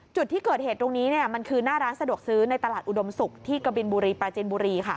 จุดที่เกิดเหตุตรงนี้มันคือหน้าร้านสะดวกซื้อในตลาดอุดมศุกร์ที่กบินบุรีปราจินบุรีค่ะ